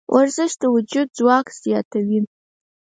ورزش د وجود ځواک زیاتوي.